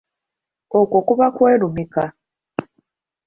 Okwo kuba kwerumika.